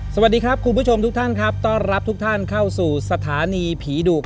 สวัสดีครับคุณผู้ชมทุกท่านครับต้อนรับทุกท่านเข้าสู่สถานีผีดุ